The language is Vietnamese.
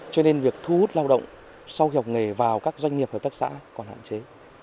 cho nên việc thu hút lao động sau học nghề vào các doanh nghiệp hợp tác xã còn hạn chế